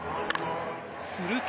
すると。